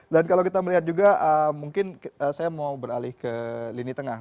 dan kalau kita melihat juga mungkin saya mau beralih ke lini tengah